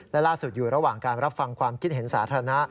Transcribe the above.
และล่าสุดอยู่ระหว่างการรับฟังความคิดเห็นสาธารณะ